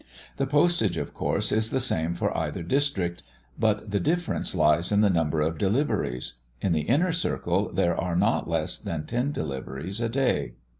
The postage, of course, is the same for either district; but the difference lies in the number of deliveries. In the inner circle there are not less than ten deliveries a day.